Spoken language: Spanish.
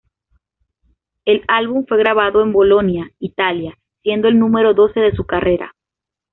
El álbum fue grabado en Bolonia, Italia; siendo el número doce de su carrera.